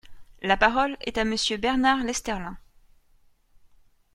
La parole est à Monsieur Bernard Lesterlin.